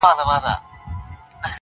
سپینه آیینه سوم له غباره وځم,